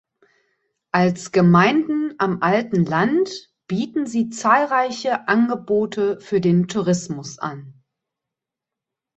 Als Gemeinden am Alten Land bieten sie zahlreichen Angebote für den Tourismus an.